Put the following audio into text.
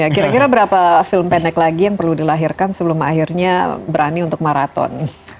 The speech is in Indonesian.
kira kira berapa film pendek lagi yang perlu dilahirkan sebelum akhirnya berani untuk maraton